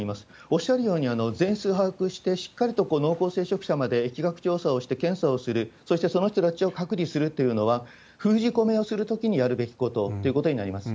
おっしゃるように、全数把握して、しっかりと濃厚接触者まで疫学調査をして検査をする、そしてその人たちを隔離するというのは、封じ込めをするときにやるべきことっていうことになります。